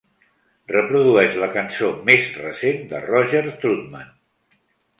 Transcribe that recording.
Reprodueix la cançó més recent de Roger Troutman.